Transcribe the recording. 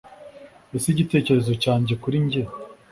ese igitekerezo cyanjye kuri njye,